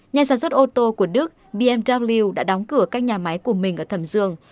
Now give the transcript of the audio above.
nhà sản xuất ô tô của đức bmw đã đóng cửa các nhà máy của mình ở thẩm dương